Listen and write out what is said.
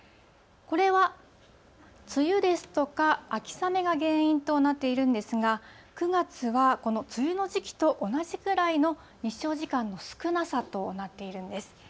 これは梅雨ですとか、秋雨が原因となっているんですが、９月はこの梅雨の時期と同じぐらいの日照時間の少なさとなっているんです。